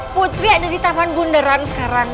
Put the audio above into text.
putri ada di taman bundaran sekarang